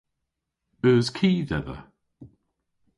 Eus ki dhedha?